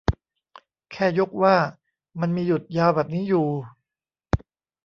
แค่ยกว่า มันมีหยุดยาวแบบนี้อยู่